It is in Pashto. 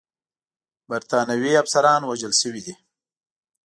برټانوي افسران وژل شوي دي.